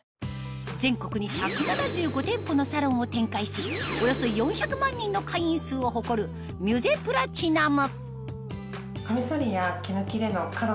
全国に１７５店舗のサロンを展開しおよそ４００万人の会員数を誇るミュゼプラチナム